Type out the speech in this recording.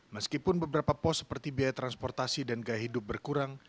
meskipun beberapa pos seperti biaya transportasi dan gaya hidup berkurang